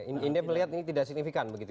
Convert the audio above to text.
indef melihat ini tidak signifikan begitu ya